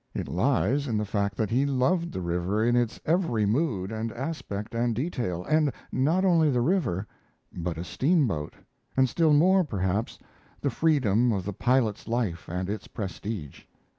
It lies in the fact that he loved the river in its every mood and aspect and detail, and not only the river, but a steam boat; and still more, perhaps, the freedom of the pilot's life and its prestige.